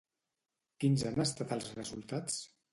Quins han estat els resultats?